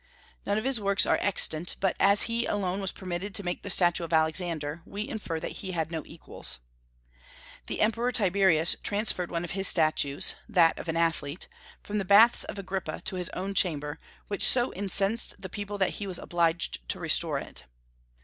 None of his works are extant; but as he alone was permitted to make the statue of Alexander, we infer that he had no equals. The Emperor Tiberius transferred one of his statues (that of an athlete) from the baths of Agrippa to his own chamber, which so incensed the people that he was obliged to restore it.